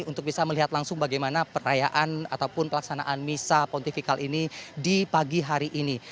untuk bisa melihat langsung bagaimana perayaan ataupun pelaksanaan misa pontifikal ini di pagi hari ini